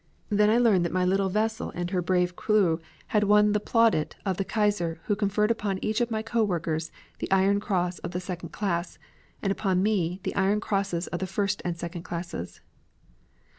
Then I learned that my little vessel and her brave crew had won the plaudit of the Kaiser who conferred upon each of my co workers the Iron Cross of the second class and upon me the Iron Crosses of the first and second classes."